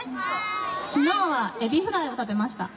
昨日はエビフライを食べました。